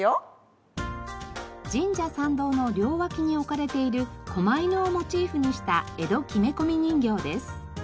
神社参道の両脇に置かれている狛犬をモチーフにした江戸木目込人形です。